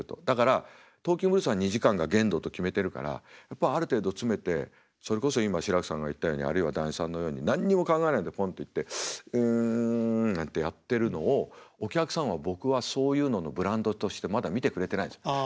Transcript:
だから「トーキングブルース」が２時間が限度と決めてるからやっぱある程度詰めてそれこそ今志らくさんが言ったようにあるいは談志さんのように何にも考えないでポンと行って「うん」なんてやってるのをお客さんは僕はそういうののブランドとしてまだ見てくれてないんです。